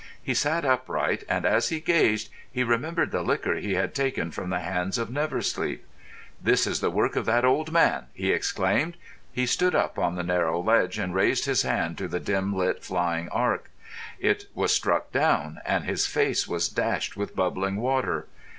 He sat upright, and as he gazed he remembered the liquor he had taken from the hands of Never Sleep. "This is the work of that old man!" he exclaimed. He stood up on the narrow ledge and raised his hand to the dim lit, flying arc. It was struck down, and his face was dashed with bubbling water.